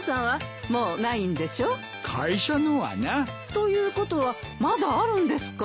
ということはまだあるんですか？